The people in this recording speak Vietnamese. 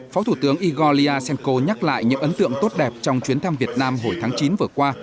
phó thủ tướng igoria samco nhắc lại những ấn tượng tốt đẹp trong chuyến thăm việt nam hồi tháng chín vừa qua